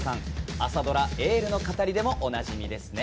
朝ドラ「エール」の語りでもおなじみですね。